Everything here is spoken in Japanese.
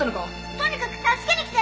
とにかく助けに来て！